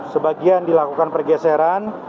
sebagian dilakukan pergeseran